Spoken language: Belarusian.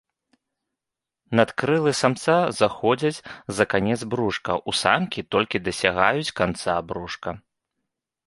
Надкрылы самца заходзяць за канец брушка, у самкі толькі дасягаюць канца брушка.